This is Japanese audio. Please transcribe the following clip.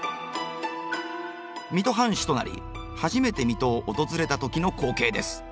水戸藩主となり初めて水戸を訪れた時の光景です。